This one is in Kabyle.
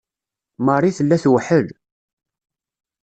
Marie tella tewḥel.